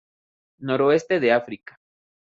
Noroeste de África.